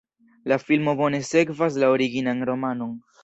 La filmo bone sekvas la originan romanon.